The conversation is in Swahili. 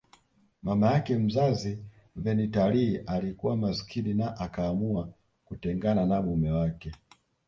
Mama yake mzazi Vernita Lee alikuwa masikini na akaamua kutengana na mume wake